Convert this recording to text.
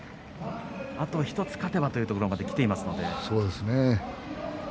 あと１つ勝てばというところまで頑張ってほしいですね。